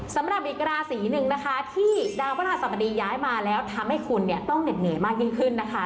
สำหรับอีกราศีหนึ่งนะคะที่ดาวพระราชสมดีย้ายมาแล้วทำให้คุณเนี่ยต้องเหน็ดเหนื่อยมากยิ่งขึ้นนะคะ